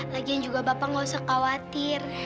lagian juga bapak nggak usah khawatir